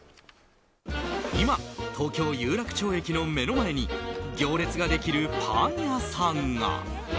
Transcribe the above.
今、東京・有楽町駅の目の前に行列ができるパン屋さんが。